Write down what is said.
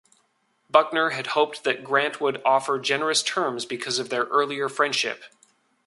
Buckner had hoped that Grant would offer generous terms because of their earlier friendship.